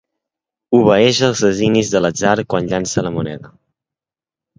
Obeeix els designis de l'atzar quan llança la moneda.